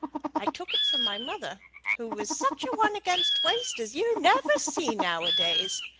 I took it from my mother, who was such a one against waste as you never see now a days.